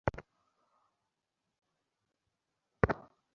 অধিকাংশ ধর্মের পিছনে কত ঐতিহ্য, শিক্ষাদীক্ষা এবং পারিপার্শ্বিক অবস্থা রহিয়াছে।